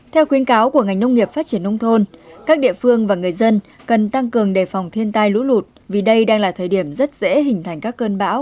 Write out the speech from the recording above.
theo khuyến cáo của ngành nông nghiệp phát triển nông thôn các địa phương và người dân cần tăng cường đề phòng thiên tai lũ lụt vì đây đang là thời điểm rất dễ hình thành các cơn bão